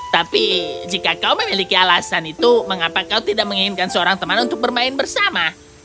tapi jika kau memiliki alasan itu mengapa kau tidak menginginkan seorang teman untuk bermain bersama